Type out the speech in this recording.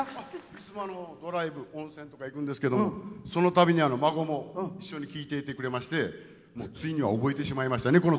いつもドライブ温泉とか行くんですけどそのたびに孫も一緒に聴いていてくれましてついには覚えてしまいましたね